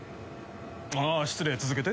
ああ失礼続けて。